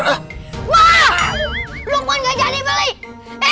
wah lo pun gak jadi beli